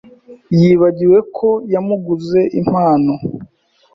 Yibagiwe ko yamuguze impano.